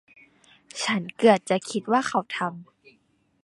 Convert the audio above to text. ฉันเกือบจะคิดว่าเขาทำ